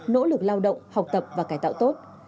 nỗ lực lao động học tập và cải tạo tốt